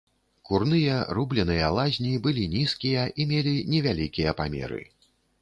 Курныя рубленыя лазні былі нізкія і мелі невялікія памеры.